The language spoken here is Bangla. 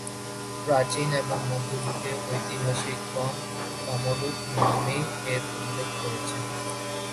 প্রাচীন এবং মধ্যযুগে ঐতিহাসিকগণ কামরূপ নামেই এর উল্লেখ করেছেন।